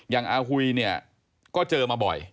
อาหุยเนี่ยก็เจอมาบ่อย